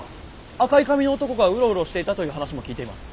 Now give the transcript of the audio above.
赤い髪の男がうろうろしていたという話も聞いています。